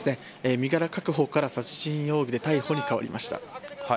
身柄確保から殺人容疑で逮捕に変わりました。